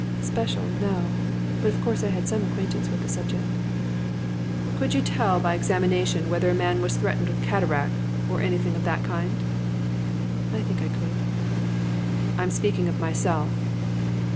'Special, no. But of course I had some acquaintance with the subject.' 'Could you tell by examination whether a man was threatened with cataract, or anything of that kind?' 'I think I could.' 'I am speaking of myself.